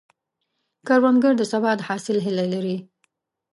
کروندګر د سبا د حاصل هیله لري